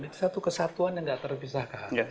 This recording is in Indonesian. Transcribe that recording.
itu satu kesatuan yang tidak terpisahkan